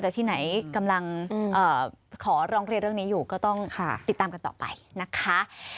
แต่ที่ไหนกำลังขอร้องเรียนเรื่องนี้อยู่ก็ต้องติดตามกันต่อไปนะคะ